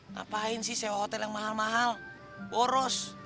ngapain sih sewa hotel yang mahal mahal boros